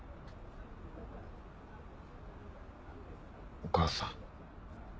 お母さん。